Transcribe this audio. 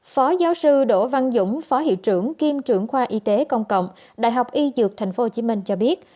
phó giáo sư đỗ văn dũng phó hiệu trưởng kiêm trưởng khoa y tế công cộng đại học y dược tp hcm cho biết